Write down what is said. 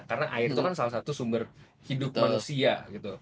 karena air itu kan salah satu sumber hidup manusia gitu